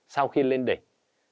sau khi lên đỉnh